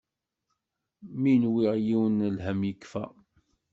Mi nwiɣ yiwen n lhem yekfa.